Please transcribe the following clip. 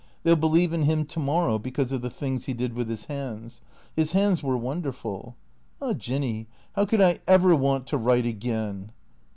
They '11 believe in him to morrow, because of the things he did with his hands. His hands were wonderful. Ah, Jinny, how could I ever want to write again